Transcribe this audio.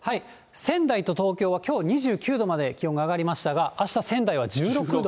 仙台と東京はきょう、２９度まで気温が上がりましたが、あした、仙台は１６度。